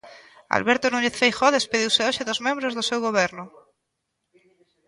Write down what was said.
Alberto Núñez Feijóo despediuse hoxe dos membros do seu Goberno.